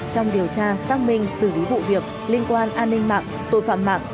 trong điều tra xác minh xử lý vụ việc liên quan an ninh mạng tội phạm mạng